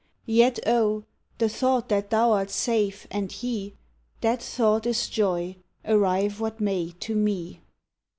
Yet (). the thought that thou art safe, and he!— That thought is joy. arrive what may to me.